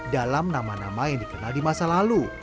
dalam nama nama yang dikenal di masa lalu